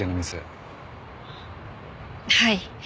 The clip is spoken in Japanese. はい。